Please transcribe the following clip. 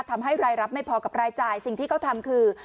ทำให้รายรับไม่พอกับรายจ่ายสิ่งที่เขาทำคือ